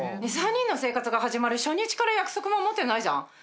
３人の生活が始まる初日から約束守ってないじゃん。